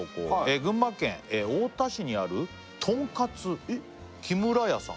「群馬県太田市にあるとんかつ木村家さん」